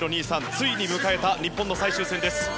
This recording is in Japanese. ついに迎えた日本の最終戦です。